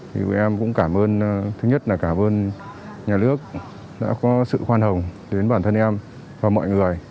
thì tụi em cũng cảm ơn thứ nhất là cảm ơn nhà nước đã có sự khoan hồng đến bản thân em và mọi người